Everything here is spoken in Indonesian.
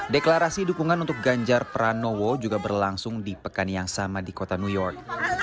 deklarasi dukungan untuk ganjar pranowo juga berlangsung di pekan yang sama di kota new york